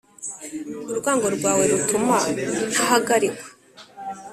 urwango rwawe rutuma ntahagarikwa.